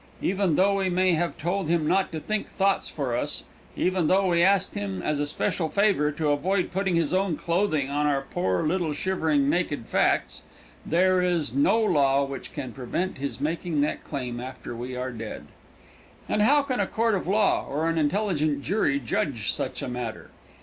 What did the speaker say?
Even though we may have told him not to think thoughts for us, even though we asked him as a special favor to avoid putting his own clothing on our poor, little, shivering, naked facts, there is no law which can prevent his making that claim after we are dead. And how can a court of law or an intelligent jury judge such a matter?